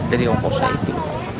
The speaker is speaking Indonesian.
jadi orang orang saja itu